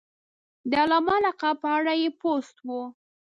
د علامه لقب په اړه یې پوسټ و.